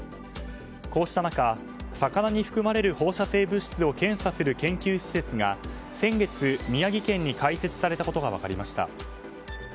こうした中魚に含まれる放射性物質を検査する研究施設が先月、宮城県に開設されたことが分かりました。